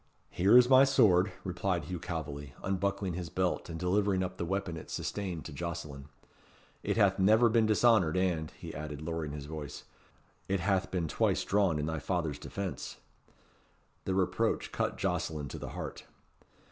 "Here is my sword," replied Hugh Calveley, unbuckling his belt and delivering up the weapon it sustained to Jocelyn; "it hath never been dishonoured, and," he added, lowering his voice, "it hath been twice drawn in thy father's defence." The reproach cut Jocelyn to the heart.